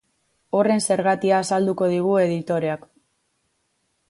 Horren zergatia azalduko digu editoreak.